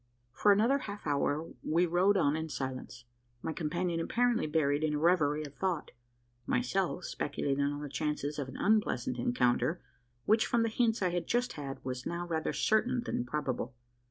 For another half hour we rode on in silence my companion apparently buried in a reverie of thought myself speculating on the chances of an unpleasant encounter: which, from the hints I had just had, was now rather certain than probable.